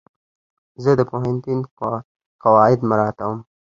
زه د پوهنتون قواعد مراعتوم.